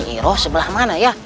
iroh sebelah mana ya